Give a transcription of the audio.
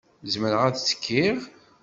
Zemreɣ ad ttekkiɣ?.